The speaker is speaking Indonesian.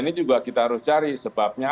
ini juga kita harus cari sebabnya